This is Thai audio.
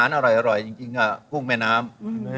อร่อยจริงกุ้งแม่น้ำ